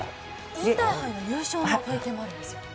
インターハイの優勝の経験があるんですね。